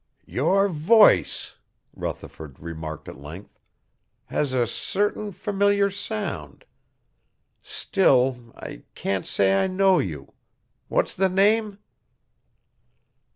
"Your voice," Rutherford remarked at length, "has a certain familiar sound. Still, I can't say I know you. What's the name?"